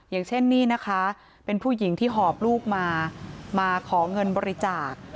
อย่างเช่นนี่นะคะเป็นผู้หญิงที่หอบลูกมามาขอเงินบริจาค